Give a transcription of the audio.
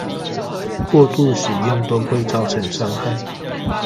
過度使用都會造成傷害